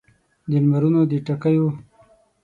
د لمرونو د ټکېو